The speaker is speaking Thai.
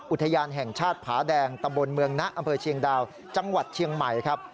อุทยานแห่งชาติผาแดงตำบลเมืองนะอำเภอเชียงดาวจังหวัดเชียงใหม่ครับ